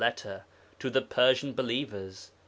letter) to the Persian believers.